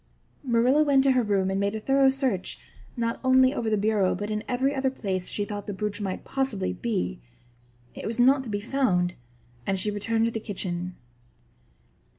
Marilla went to her room and made a thorough search, not only over the bureau but in every other place she thought the brooch might possibly be. It was not to be found and she returned to the kitchen.